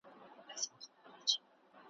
په لوی لاس به دروازه د رزق تړمه ,